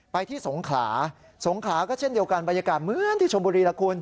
ที่สงขลาสงขลาก็เช่นเดียวกันบรรยากาศเหมือนที่ชมบุรีล่ะคุณ